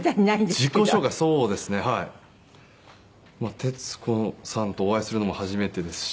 徹子さんとお会いするのも初めてですし。